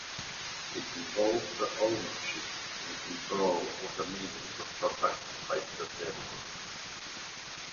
It involves the ownership and control of the means of production by the demos.